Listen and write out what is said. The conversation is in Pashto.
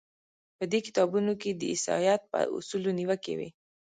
په دې کتابونو کې د عیسایت په اصولو نیوکې وې.